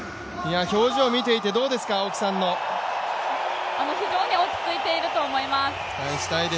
表情を見ていてどうですか、青木さんの。非常に落ち着いていると思います。